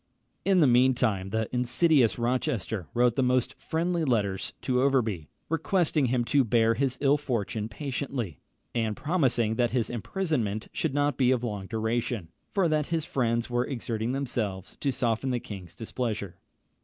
In the mean time the insidious Rochester wrote the most friendly letters to Overbury, requesting him to bear his ill fortune patiently, and promising that his imprisonment should not be of long duration; for that his friends were exerting themselves to soften the king's displeasure.